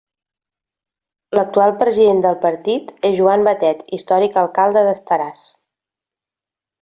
L'actual president del partit és Joan Batet, històric alcalde d'Estaràs.